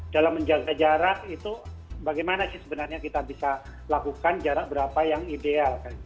dalam menjaga jarak itu bagaimana sih sebenarnya kita bisa lakukan jarak berapa yang ideal